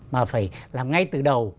mà phải làm ngay từ đầu